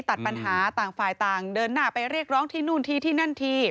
ตัดปัญหาต่างฝ่ายต่างเดินหน้าไปเรียกร้องที่นู่นทีที่นั่นที